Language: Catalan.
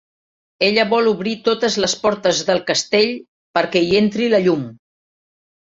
Ella vol obrir totes les portes del castell perquè hi entri la llum.